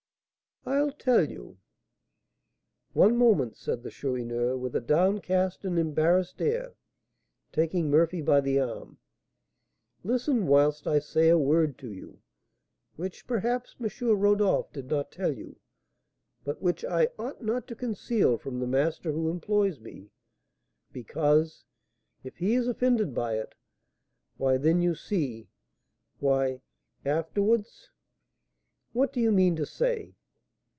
"I'll tell you " "One moment," said the Chourineur, with a downcast and embarrassed air, taking Murphy by the arm; "listen whilst I say a word to you, which perhaps M. Rodolph did not tell you, but which I ought not to conceal from the master who employs me, because, if he is offended by it why then, you see why, afterwards " "What do you mean to say?"